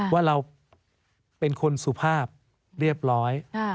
ว่าเราเป็นคนสุภาพเรียบร้อย